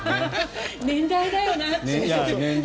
年代だなって。